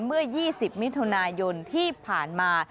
เมื่อ๒๐มิถุนายนที่ผ่านมา